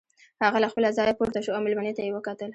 هغه له خپله ځايه پورته شو او مېلمنې ته يې وکتل.